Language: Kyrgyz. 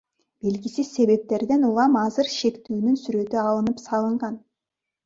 Белгисиз себептерден улам азыр шектүүнүн сүрөтү алынып салынган.